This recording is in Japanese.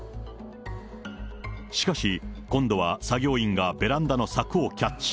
しかし、今度は作業員がベランダの柵をキャッチ。